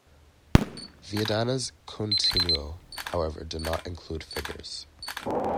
Viadana's continuo, however, did not include figures.